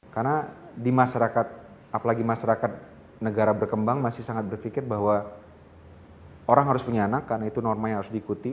karena di masyarakat apalagi masyarakat negara berkembang masih sangat berpikir bahwa orang harus punya anak karena itu norma yang harus diikuti